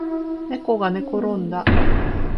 ねこがねころんだ